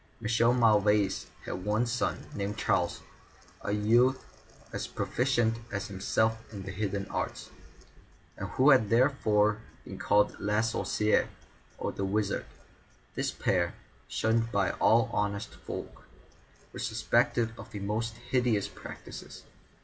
Michel Mauvais had one son, named Charles, a youth as proficient as himself in the hidden arts, and who had therefore been called Le Sorcier, or the Wizard. This pair, shunned by all honest folk, were suspected of the most hideous practices.